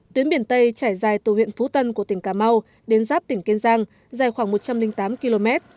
tuyến biển tây trải dài từ huyện phú tân của tỉnh cà mau đến giáp tỉnh kiên giang dài khoảng một trăm linh tám km